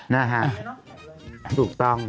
นะฮะถูกต้อง